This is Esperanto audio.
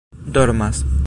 dormas